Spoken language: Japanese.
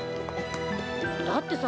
だってさ